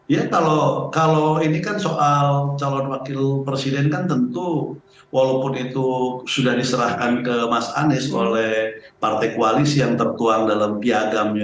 ya kalau ini kan soal calon wakil presiden kan tentu walaupun itu sudah diserahkan ke mas anies oleh partai koalisi yang tertuang dalam piagamnya